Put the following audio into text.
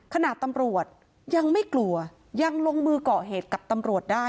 ตำรวจยังไม่กลัวยังลงมือก่อเหตุกับตำรวจได้